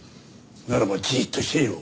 ならばじっとしていろ。